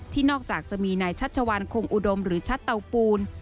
นอกจากจะมีนายชัชวานคงอุดมหรือชัดเตาปูน